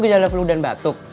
lo gejala flu dan batuk